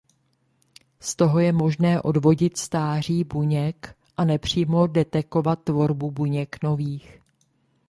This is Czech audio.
Z toho je možné odvodit stáří buněk a nepřímo detekovat tvorbu buněk nových.